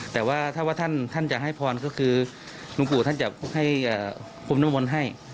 แต่ว่าถ้าว่าท่านจะให้พรก็คือหลวงปู่ท่านจะให้พรมน้ำมนต์ให้